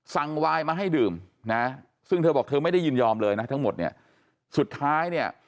วายมาให้ดื่มนะซึ่งเธอบอกเธอไม่ได้ยินยอมเลยนะทั้งหมดเนี่ยสุดท้ายเนี่ย